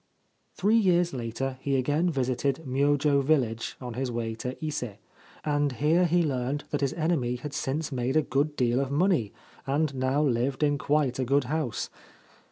Three years later he again visited Myojo village on his way to Ise, and here he learned that his enemy had since 284 Human Fireflies made a good deal of money, and now lived in quite a good house.